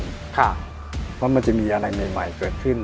เพราะมันจะมีอะไรใหม่เกิดขึ้น